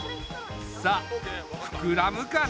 さあふくらむかな？